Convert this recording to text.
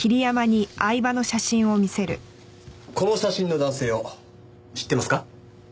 この写真の男性を知ってますか？